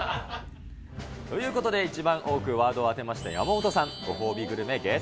ということで、一番多くワードを当てました、山本さん。